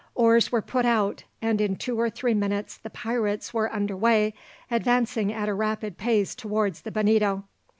Oars were put out, and in two or three minutes the pirates were under way, advancing at a rapid pace towards the Bonito.